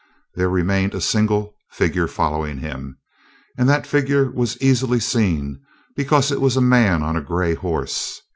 There remained a single figure following him, and that figure was easily seen, because it was a man on a gray horse.